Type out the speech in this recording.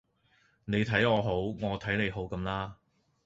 你睇我好，我睇你好咁啦